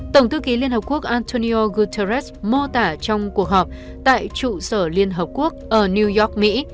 tổng thư ký liên hợp quốc antonio guterres mô tả trong cuộc họp tại trụ sở liên hợp quốc ở new york mỹ